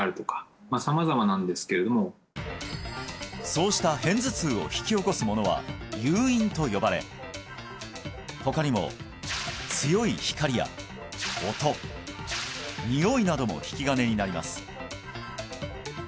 そうした片頭痛を引き起こすものは誘因と呼ばれ他にも強い光や音においなども引き金になります